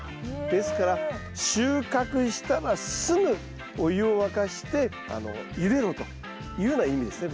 ですから収穫したらすぐお湯を沸かしてゆでろというような意味ですね